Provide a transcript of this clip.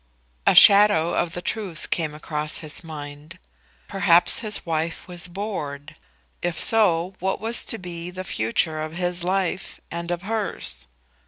A shadow of the truth came across his mind. Perhaps his wife was bored. If so, what was to be the future of his life and of hers?